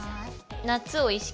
夏を意識。